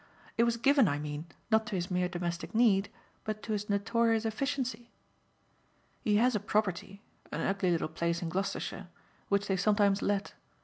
It was given, I mean, not to his mere domestic need, but to his notorious efficiency. He has a property an ugly little place in Gloucestershire which they sometimes let.